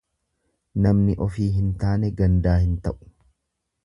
Namni ofii hin taane gandaa hin ta'u.